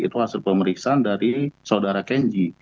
itu hasil pemeriksaan dari saudara kenji